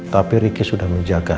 tapi riki sudah menjaga